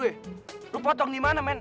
kamu memotong di mana